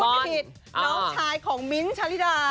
น้องชายของมิ้นซ์ชาริดา